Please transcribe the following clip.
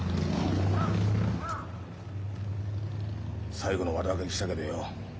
最後の悪あがきしたけどよ